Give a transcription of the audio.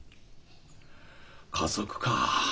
家族かあ。